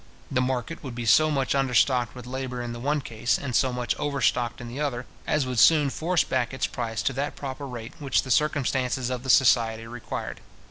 The market would be so much understocked with labour in the one case, and so much overstocked in the other, as would soon force back its price to that proper rate which the circumstances of the society required.